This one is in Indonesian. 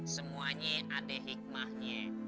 semuanya ada hikmahnya